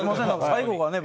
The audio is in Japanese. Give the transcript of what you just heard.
最後がね